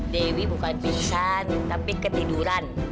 dewi bukan pingsan tapi ketiduran